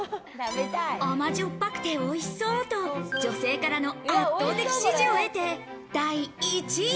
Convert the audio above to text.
甘じょっぱくておいしそうと、女性からの圧倒的支持を得て、第１位。